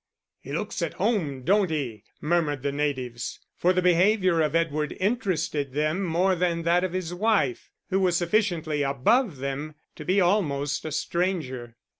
"He looks at home, don't he?" murmured the natives, for the behaviour of Edward interested them more than that of his wife, who was sufficiently above them to be almost a stranger.